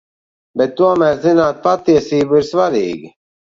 Bet tomēr zināt patiesību ir svarīgi.